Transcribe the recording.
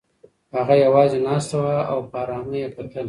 هغه یوازې ناسته وه او په ارامۍ یې کتل.